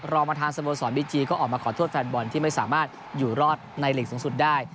รองประธานสโมสรบีจีก็ออกมาขอโทษแฟนบอลที่ไม่สามารถอยู่รอดในหลีกสูงสุดได้